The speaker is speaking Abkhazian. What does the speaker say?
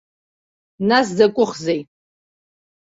Нас закәыхзеи.